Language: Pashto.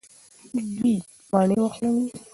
دوی مڼې وخوړلې.